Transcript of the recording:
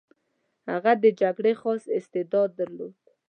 هغه د جګړې خاص استعداد درلود.